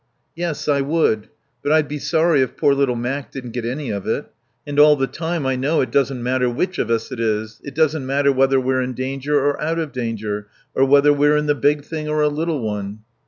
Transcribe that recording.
"Yes. I would. But I'd be sorry if poor little Mac didn't get any of it. And all the time I know it doesn't matter which of us it is. It doesn't matter whether we're in danger or out of danger, or whether we're in the big thing or a little one."